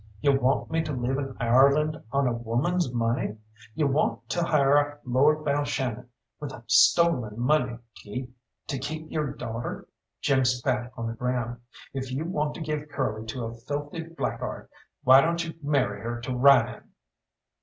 You want me to live in Ireland on a woman's money? You want to hire Lord Balshannon, with stolen money, to keep your daughter?" Jim spat on the ground. "If you want to give Curly to a filthy blackguard, why don't you marry her to Ryan?"